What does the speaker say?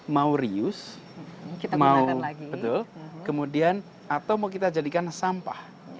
mau riuse mau betul kemudian atau mau kita jadikan sampah